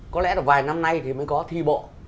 có lẽ là vài năm nay thì mới có thi bộ